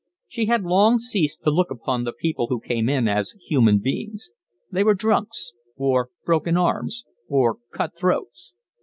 She had long ceased to look upon the people who came in as human beings; they were drunks, or broken arms, or cut throats.